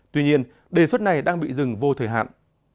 tuy nhiên đề xuất này đang bị dừng vô thời hạn